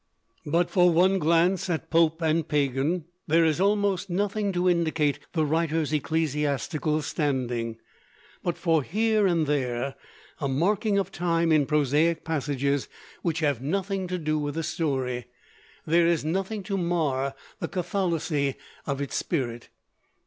But for one glance at Pope and Pagan, there is almost nothing to indicate the writer's ecclesiastical standing. But for here and there a marking of time in prosaic passages which have nothing to do with the story, there is nothing to mar the catholicity of its spirit.